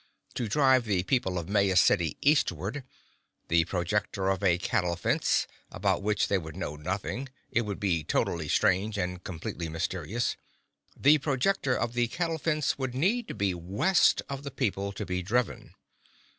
To drive the people of Maya City eastward, the projector of a cattle fence—about which they would know nothing; it would be totally strange and completely mysterious—the projector of the cattle fence would need to be west of the people to be driven.